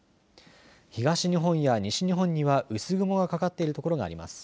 東日本や西日本には薄雲がかかっている所があります。